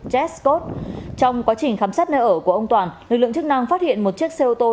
jet scot trong quá trình khám xét nơi ở của ông toàn lực lượng chức năng phát hiện một chiếc xe ô tô